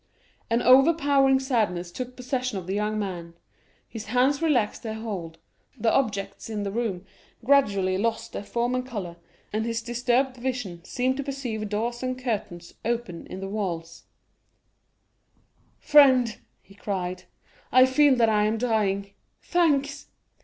An overpowering sadness took possession of the young man, his hands relaxed their hold, the objects in the room gradually lost their form and color, and his disturbed vision seemed to perceive doors and curtains open in the wall. 50273m "Friend," he cried, "I feel that I am dying; thanks!"